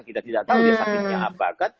kita tidak tahu dia sakitnya apa kan